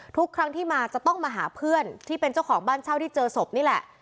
ทุกครั้งที่มาจะต้องมาหาเพื่อนที่เป็นเจ้าของบ้านเช่าที่เจอศพนี่แหละ